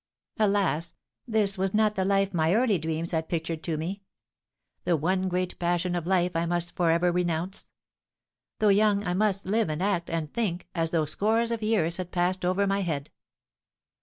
Alas, this was not the life my early dreams had pictured to me, the one great passion of life I must for ever renounce! Though young, I must live, and act, and think, as though scores of years had passed over my head.